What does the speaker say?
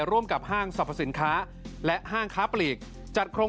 ร่วมกับห้างสรรพสินค้าและห้างค้าผลิต